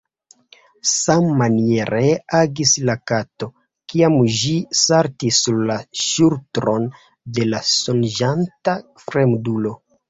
Sammaniere agis la kato, kiam ĝi saltis sur la ŝultron de la sonĝanta fremdulo.